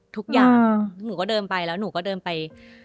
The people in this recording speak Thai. ทุกอย่างหนูก็เดินไปแล้วหนูก็เดินไป